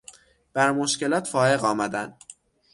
بر مشکلات فایق آمدن